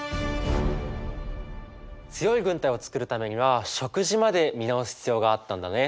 強い軍隊を作るためには食事まで見直す必要があったんだね。